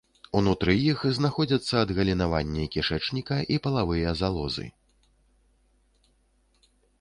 Унутры іх знаходзяцца адгалінаванні кішэчніка і палавыя залозы.